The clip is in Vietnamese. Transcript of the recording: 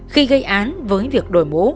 khi gây án với việc đổi mũ